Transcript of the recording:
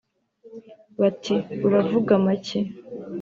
bati "Uravuga amaki